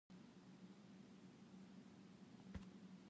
Dia ekonom yang cerdas.